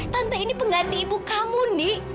tante ini pengganti ibu kamu nih